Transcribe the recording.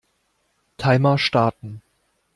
Timer starten.